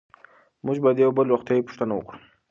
موږ باید د یو بل روغتیایي پوښتنه وکړو.